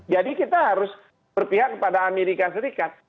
jadi kita harus berpihak kepada amerika serikat